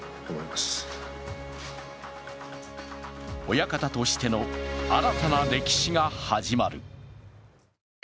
親方としての新たな歴史が始まる。